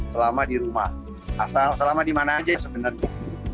selama di rumah selama di mana aja sebenarnya